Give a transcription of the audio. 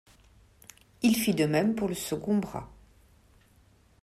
Il fit de même pour le second bras.